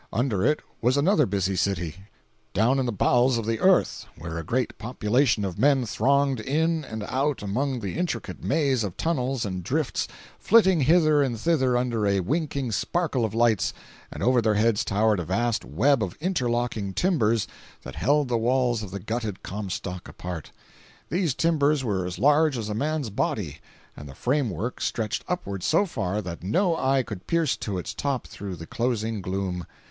Under it was another busy city, down in the bowels of the earth, where a great population of men thronged in and out among an intricate maze of tunnels and drifts, flitting hither and thither under a winking sparkle of lights, and over their heads towered a vast web of interlocking timbers that held the walls of the gutted Comstock apart. These timbers were as large as a man's body, and the framework stretched upward so far that no eye could pierce to its top through the closing gloom.